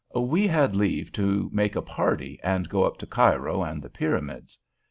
We had leave to make a party and go up to Cairo and the Pyramids.